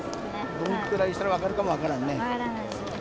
どのくらいしたら分かるかも、分からないです。